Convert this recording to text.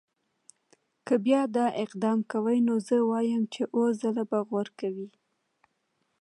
که بیا دا اقدام کوي نو زه وایم چې اووه ځله به غور کوي.